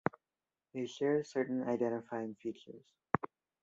They share certain identifying features.